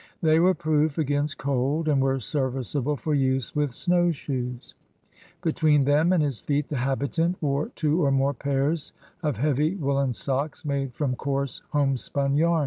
They were proof against cold and were serviceable for use with snow shoes. Between them and his feet the habitant wore two or more pairs of heavy woolen socks made from coarse homespim yam.